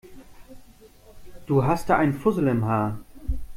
Du hast da einen Fussel im Haar.